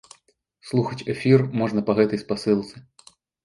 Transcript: Слухаць эфір можна па гэтай спасылцы.